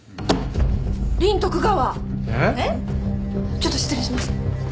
ちょっと失礼します。